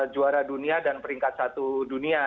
juara dunia dan peringkat satu dunia